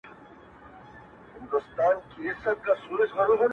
یار د عشق سبق ویلی ستا د مخ په سېپارو کي,